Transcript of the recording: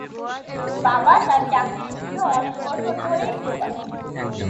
বাবা তার চাকরি সূত্রে অনেক বছর ধরেই প্রবাসে।